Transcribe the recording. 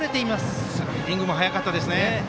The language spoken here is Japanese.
角君スライディングも速かったですね。